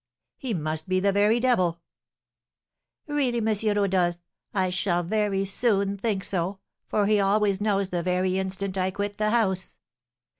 "He must be the very devil!" "Really, M. Rodolph, I shall very soon think so; for he always knows the very instant I quit the house.